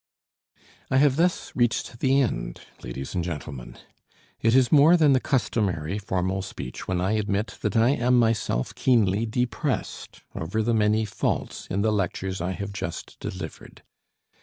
I have thus reached the end, ladies and gentlemen. It is more than the customary formal speech when I admit that I am myself keenly depressed over the many faults in the lectures I have just delivered.